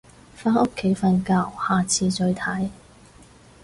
返屋企瞓覺，下次再睇